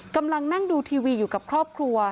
กำลังนั่งดูทีวีอยู่กับครอบครัว